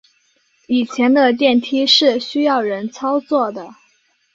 以前的电梯是需要人操作的。